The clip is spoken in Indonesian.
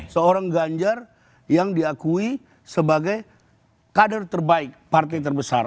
seorang ganjar yang diakui sebagai kader terbaik partai terbesar